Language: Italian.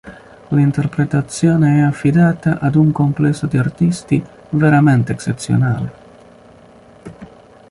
L'interpretazione è affidata ad un complesso di artisti veramente eccezionale.